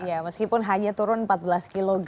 ya meskipun hanya turun empat belas kg